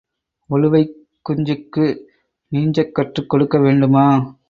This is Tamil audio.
உளுவைக் குஞ்சுக்கு நீஞ்சக்கற்றுக் கொடுக்க வேண்டுமா?